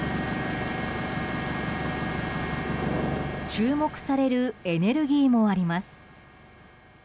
注目されるエネルギーもあります。